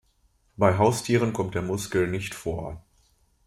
Bei Haustieren kommt der Muskel nicht vor.